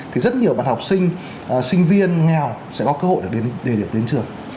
thì rất nhiều bạn học sinh sinh viên nghèo sẽ có cơ hội để đến trường